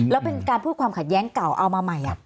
แล้วเป็นการพูดความขัดแย้งเก่าเอามาใหม่